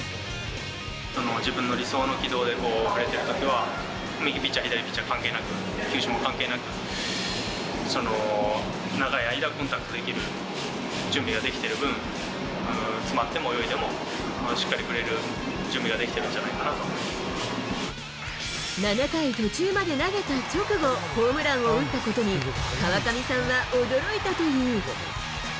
自分の理想の軌道で、バットが振れてるときというのは、右ピッチャー、左ピッチャー、関係なく、球種も関係なく、長い間、コンタクトできる準備ができている分、詰まっても泳いでも、しっかり振れる準備ができてるんじゃないか７回途中まで投げた直後、ホームランを打ったことに、川上さんは驚いたという。